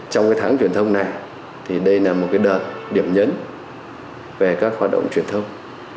trong tháng truyền thông này đây là một đợt điểm nhấn về các hoạt động truyền thông